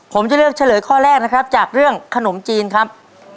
ผมจะเลือกเฉลยข้อแรกนะครับจากเรื่องขนมจีนครับ